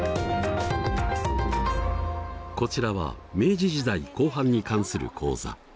こちらは明治時代後半に関する講座。